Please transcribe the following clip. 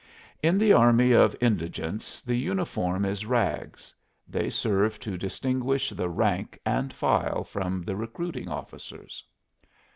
In the army of indigence the uniform is rags; they serve to distinguish the rank and file from the recruiting officers.